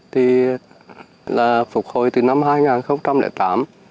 thì là phục hồi từ năm hai nghìn tám